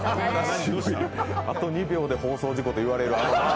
あと２秒で放送事故と言われるあの間。